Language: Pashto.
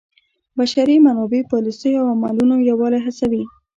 د بشري منابعو پالیسیو او عملونو یووالی هڅوي.